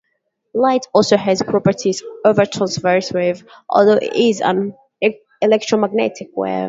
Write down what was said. Light also has properties of a transverse wave, although it is an electromagnetic wave.